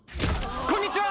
こんにちは！